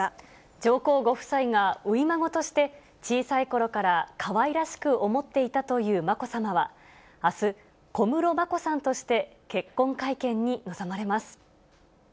上皇ご夫妻が初孫として小さいころからかわいらしく思っていたというまこさまは、あす、小室まこさんとして結婚会見に臨まれます。